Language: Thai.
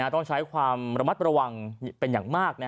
ต้องใช้ความระมัดระวังเป็นอย่างมาก